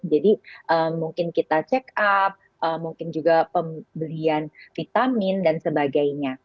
jadi mungkin kita check up mungkin juga pembelian vitamin dan sebagainya